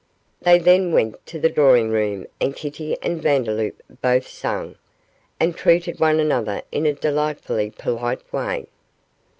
They then went to the drawing room and Kitty and Vandeloup both sang, and treated one another in a delightfully polite way.